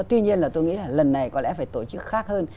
tuy nhiên là tôi nghĩ là lần này có lẽ phải tổ chức khác hơn